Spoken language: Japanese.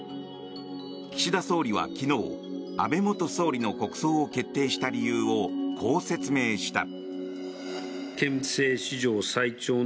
岸田総理は昨日安倍元総理の国葬を決定した理由をこう説明した。